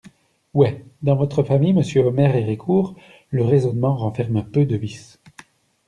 Ouais, dans votre famille, Monsieur Omer Héricourt, le raisonnement renferme peu de vices!